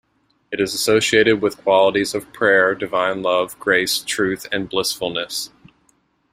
It is associated with qualities of prayer, divine-love, grace, truth, and blissfulness.